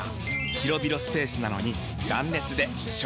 広々スペースなのに断熱で省エネ！